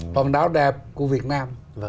hòn đảo đẹp của việt nam